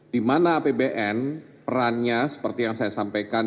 di mana apbn perannya seperti yang saya sampaikan